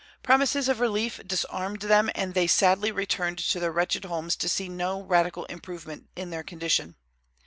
Promises of relief disarmed them, and they sadly returned to their wretched homes to see no radical improvement in their condition.